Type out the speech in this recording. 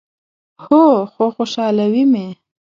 هو، خو خوشحالوي می